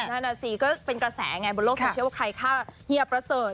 นั่นน่ะสิก็เป็นกระแสไงบนโลกโซเชียลว่าใครฆ่าเฮียประเสริฐ